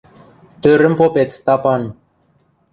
— Тӧрӹм попет, Стапан.